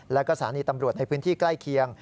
แล้วก็สถานีตำรวจในพื้นที่ใกล้เคียง